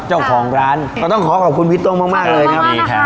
เจ้าของร้านก็ต้องขอขอบคุณพี่โต้งมากเลยนะครับ